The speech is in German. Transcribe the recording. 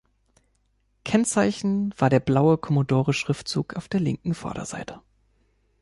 Kennzeichen war der blaue Commodore-Schriftzug auf der linken Vorderseite.